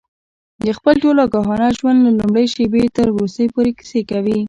د خپل ټول آګاهانه ژوند له لومړۍ شېبې تر وروستۍ پورې کیسې کوي.